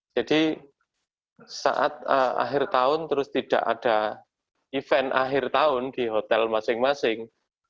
jadi saat akhir tahun terus tidak ada event akhir tahun di hotel masing masing